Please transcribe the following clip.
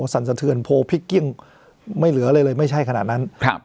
สั่นสะเทือนโพลพลิกกิ้งไม่เหลืออะไรเลยไม่ใช่ขนาดนั้นครับ